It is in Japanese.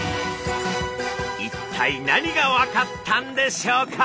一体何が分かったんでしょうか？